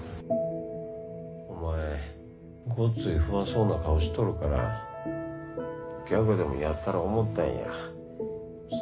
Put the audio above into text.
お前ごっつい不安そうな顔しとるからギャグでもやったろ思ったんや。